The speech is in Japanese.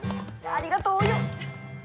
ありがとうお葉！